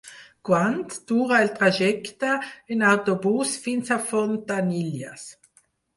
Quant dura el trajecte en autobús fins a Fontanilles?